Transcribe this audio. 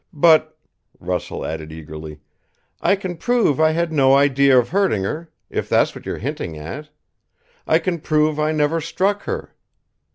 But," Russell added eagerly, "I can prove I had no idea of hurting her, if that's what you're hinting at. I can prove I never struck her.